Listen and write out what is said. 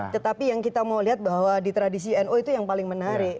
tetapi yang kita mau lihat bahwa di tradisi nu itu yang paling menarik